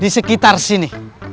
di sekitar sini